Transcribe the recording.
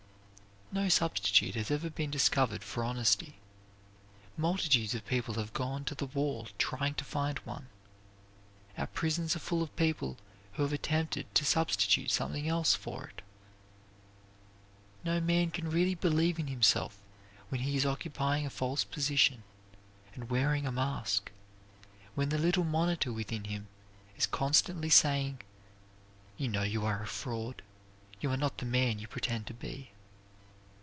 No substitute has ever yet been discovered for honesty. Multitudes of people have gone to the wall trying to find one. Our prisons are full of people who have attempted to substitute something else for it. No man can really believe in himself when he is occupying a false position and wearing a mask; when the little monitor within him is constantly saying, "You know you are a fraud; you are not the man you pretend to be."